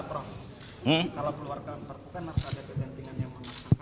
kalau keluarga perpu kan harus ada kegentingan yang memaksa